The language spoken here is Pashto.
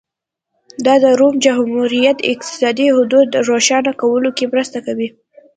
دا د روم جمهوریت اقتصادي حدود روښانه کولو کې مرسته کوي